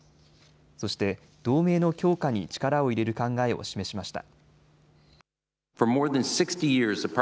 そして同盟の強化に力を入れる考えを示しました。